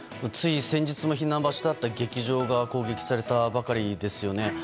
つい先日も避難場所だった劇場が攻撃されたばかりですよね。